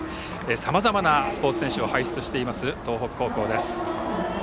さまざまなスポーツ選手を輩出している東北高校です。